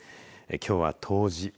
きょうは冬至。